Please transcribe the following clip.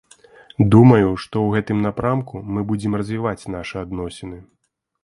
Думаю, што ў гэтым напрамку мы будзем развіваць нашы адносіны.